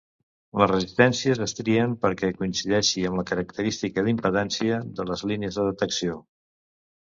Les resistències es trien perquè coincideixi amb la característica d'impedància de les línies de detecció.